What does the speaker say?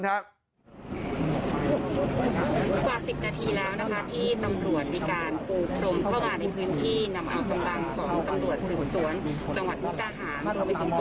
กว่าสิบนาทีแล้วนะคะที่ตำรวจมีการปูดพรมเข้ามาในพื้นที่